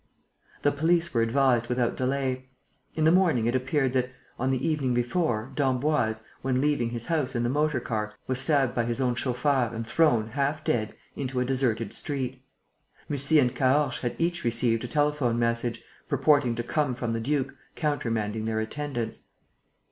The police were advised without delay. In the morning it appeared that, on the evening before, d'Emboise, when leaving his house in the motor car, was stabbed by his own chauffeur and thrown, half dead, into a deserted street. Mussy and Caorches had each received a telephone message, purporting to come from the duke, countermanding their attendance.